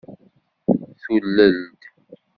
Tulel-d.